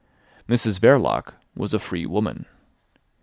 Mrs Verloc was a free woman.